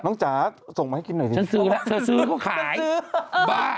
น้องจ๊ะส่งมาให้กินหน่อยสิเจ้าซื้อแล้วก็ขายบ้า